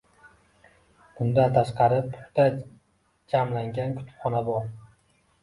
Bundan tashqari puxta jamlangan kutubxona bor.